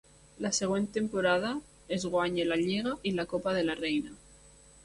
La següent temporada es guanya la Lliga i la Copa de la Reina.